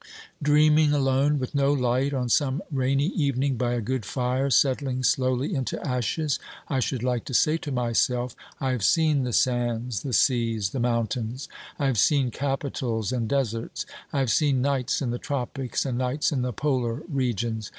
Dreaming alone, with no light, on some rainy evening by a good fire settling slowly into ashes, I should like to say to myself: I have seen the sands, the seas, the moun tains. I have seen capitals and deserts. I have seen nights in the tropics and nights in the polar regions.